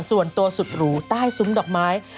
ส่วนตัวสุดหรูใต้ซุ้มดอกไม้